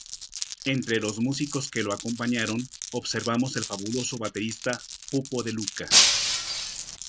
Entre los músicos que lo acompañaron observamos el famoso baterista Pupo De Luca.